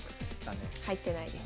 入ってないです。